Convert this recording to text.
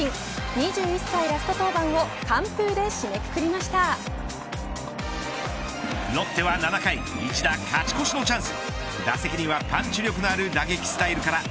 ２１歳ラスト登板を完封ロッテは７回１打勝ち越しのチャンス。